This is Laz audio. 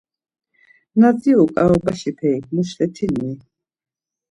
Na dziru ǩaobaşi perik muşletinui?